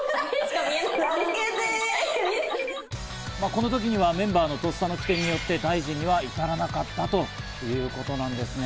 この時にはメンバーの咄嗟の機転によって、大事には至らなかったということなんですね。